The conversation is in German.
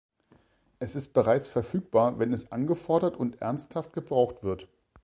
Es ist bereits verfügbar, wenn es angefordert und ernsthaft gebraucht wird.